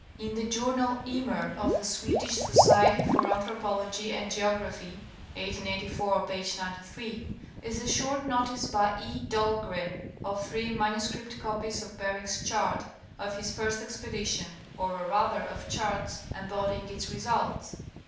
In the journal, '' Ymer," of the Swedish Society for Anthropology and Geog raphy (1884, p. 93) is a short notice by E. Dahlgren of three manuscript copies of Bering's chart of his first expedition, or rather of charts embodying its results.